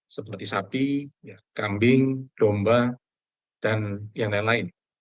seperti sapi kambing domba dan yang lain lain